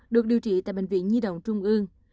được điều trị tại bệnh viện nhi đồng trung ương